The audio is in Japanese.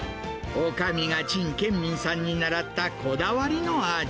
おかみが陳健民さんに習ったこだわりの味。